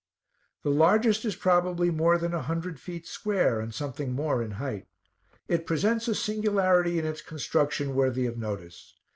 The largest is probably more than a hundred feet square, and something more in height. It presents a singularity in its construction worthy of notice.